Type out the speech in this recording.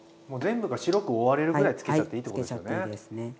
もう全部が白く覆われるぐらいつけちゃっていいってことですよね。